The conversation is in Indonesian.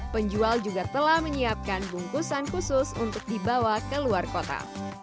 penjual juga telah menyiapkan bungkusan khusus untuk dibawa ke luar kota